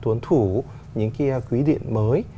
và tuấn thủ những cái quý điện mới